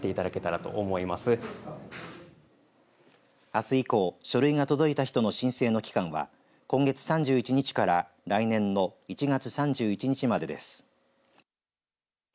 あす以降、書類が届いた人の申請の期間は今月３１日から来年の１月３１日までです。